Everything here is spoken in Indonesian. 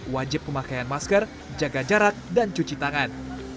wajib pemakaian masker jaga jarak dan cuci tangan